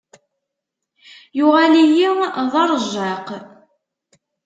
Yuɣal-iyi d aṛejjaq.